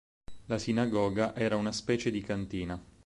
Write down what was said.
La sinagoga era una specie di cantina.